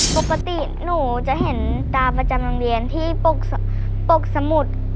ปกติหนูจะเห็นตาประจำโรงเรียนที่ปกสมุด